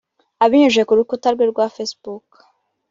Abinyujije ku rukuta rwe rwa facebook